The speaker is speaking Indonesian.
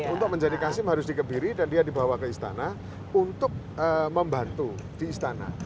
untuk menjadi kasim harus dikebiri dan dia dibawa ke istana untuk membantu di istana